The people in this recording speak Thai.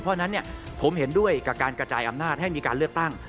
เพราะฉะนั้นผมเห็นด้วยกับการกระจายอำนาจให้มีการเลือกตั้ง